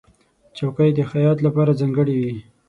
چوکۍ د خیاط لپاره ځانګړې وي.